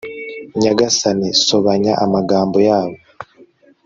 nyagasani, sobanya amagambo yabo